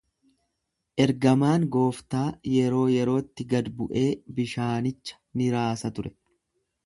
Ergamaan Gooftaa yeroo yerootti gad bu’ee bishaanicha ni raasa ture.